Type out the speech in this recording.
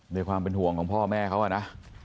ด้วยความเป็นห่วงของพ่อแม่เขาอะนะ